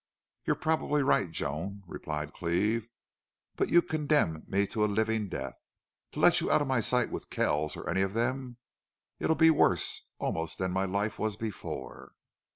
"You're probably right, Joan," replied Cleve. "But you condemn me to a living death.... To let you out of my sight with Kells or any of them! It'll be worse almost than my life was before."